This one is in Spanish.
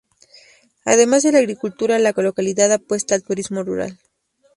Además de la agricultura, la localidad apuesta al turismo rural.